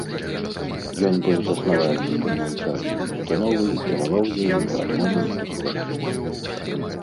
Ён быў заснавальнікам навучальнай установы і кіраваў ёю ад моманту стварэння.